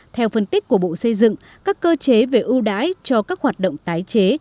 theo phân tích của bộ xây dựng các cơ chế về ưu đãi cho các hoạt động tái chế